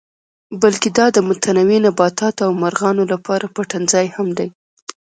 بلکې دا د متنوع نباتاتو او مارغانو لپاره پټنځای هم دی.